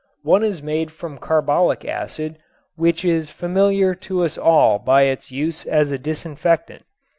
One is made from carbolic acid, which is familiar to us all by its use as a disinfectant.